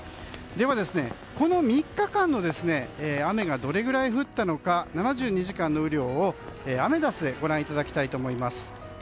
では、この３日間の雨がどれぐらい降ったのか７２時間の雨量をアメダスでご覧ください。